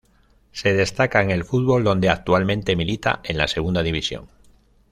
Se destaca en el fútbol, donde actualmente milita en la Segunda División.